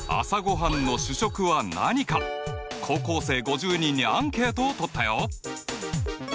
高校生５０人にアンケートをとったよ！